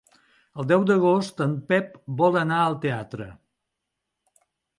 El deu d'agost en Pep vol anar al teatre.